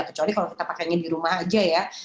kecuali kalau kita pakainya di rumah aja ya